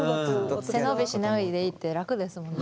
背伸びしないでいいって楽ですもんね